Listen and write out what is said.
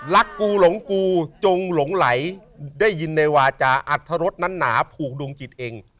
กูหลงกูจงหลงไหลได้ยินในวาจาอัธรสนั้นหนาผูกดวงจิตเอง